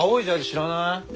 知らない？